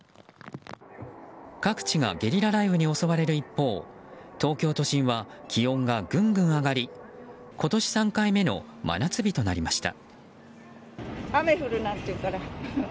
各地がゲリラ雷雨に襲われる一方東京都心は気温がぐんぐん上がり今年３回目の真夏日となりました。